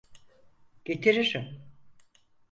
Getiririm.